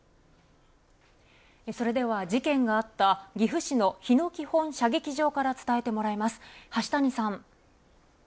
それでは、事件があった岐阜市の日野基本射撃場から伝えてもらいます。